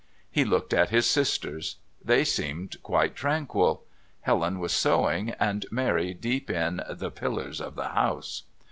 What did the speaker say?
He looked at his sisters. They seemed quite tranquil. Helen was sewing, and Mary deep in "The Pillars of the House."